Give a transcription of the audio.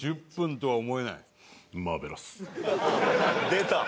出た！